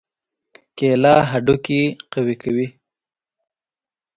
کېله هډوکي قوي کوي.